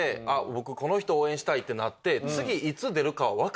僕この人を応援したいってなって。